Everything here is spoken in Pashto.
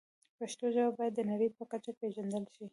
پښتو ژبه باید د نړۍ په کچه پېژندل شي.